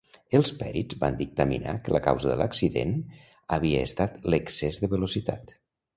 Els pèrits van dictaminar que la causa de l'accident havia estat l'excés de velocitat.